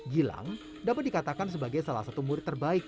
gilang dapat dikatakan sebagai salah satu murid terbaik